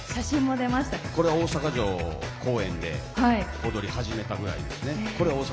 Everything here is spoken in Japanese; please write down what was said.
これは大阪城公園で踊りを始めた時ぐらいですね。